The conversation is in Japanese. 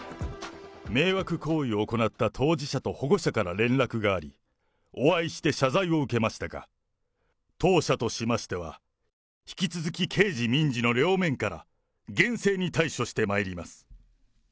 迷惑行為を行った当事者と保護者から連絡があり、お会いして謝罪を受けましたが、当社としましては、引き続き刑事、民事の両面から厳正に対処してまいります。